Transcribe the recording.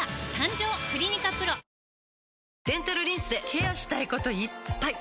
デンタルリンスでケアしたいこといっぱい！